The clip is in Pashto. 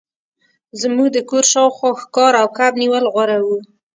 زموږ د کور شاوخوا ښکار او کب نیول غوره وو